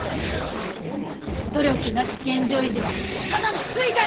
努力なき現状維持はただの衰退です！